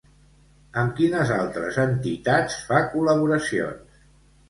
Amb quines altres entitats fa col·laboracions?